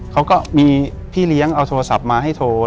เขาก็มีพี่เลี้ยงเอาโทรศัพท์มาให้โทร